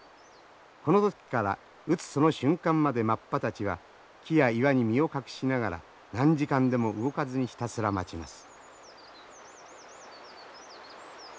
この時から撃つその瞬間までマッパたちは木や岩に身を隠しながら何時間でも動かずにひたすら待ちます。